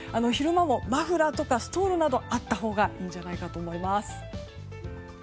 昼間もマフラーとかストールなどがあったほうがいいんじゃないかと思います。